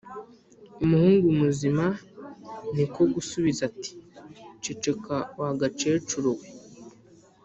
Umuhungu muzima ni ko gusubiza ati: ”Ceceka wa gakecuru we